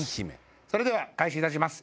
それでは開始いたします